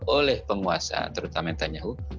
oleh penguasa terutama tanyahu